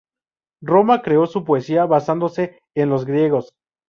Roma creó su poesía basándose en los griegos.